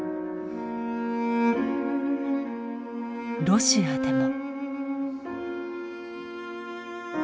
ロシアでも。